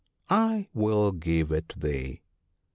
I will give it thee.